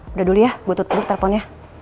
udah dulu ya gue tutup dulu teleponnya